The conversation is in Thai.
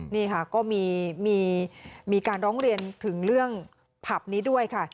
นี่ค่ะก็มีการร้องเรียนถึงเรื่องผับนี้ด้วยค่ะ